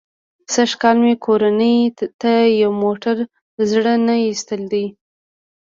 سږ کال مې کورنۍ ته یو موټر زړه نه ایستلی دی.